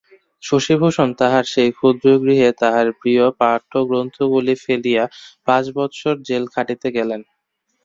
শশিভূষণ তাঁহার সেই ক্ষুদ্র গৃহে তাঁহার প্রিয় পাঠ্যগ্রন্থগুলি ফেলিয়া পাঁচ বৎসর জেল খাটিতে গেলেন।